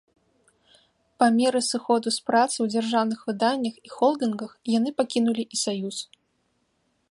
Па меры сыходу з працы ў дзяржаўных выданнях і холдынгах яны пакінулі і саюз.